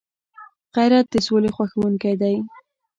غیرت د سولي خوښونکی دی